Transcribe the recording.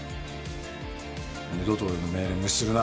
二度と俺の命令無視するな。